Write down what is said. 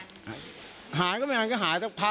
ก็เลยไม่รู้ว่าวันเกิดเหตุคือมีอาการมืนเมาอะไรบ้างหรือเปล่า